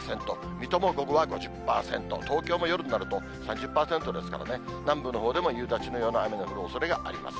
水戸も午後は５０％、東京も夜になると、３０％ですからね、南部のほうでも夕立のような雨の降るおそれがあります。